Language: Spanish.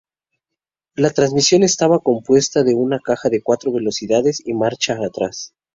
La transmisión estaba compuesta de una caja de cuatro velocidades y marcha atrás.